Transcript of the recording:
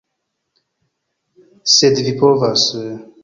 Sed vi povas...